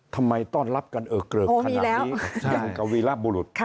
ทำไมต้อนรับกันเออเกริกขนาดนี้อย่างกับวีรบุรุษ